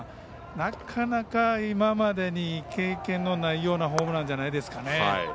なかなか今までに経験のないようなホームランじゃないですかね。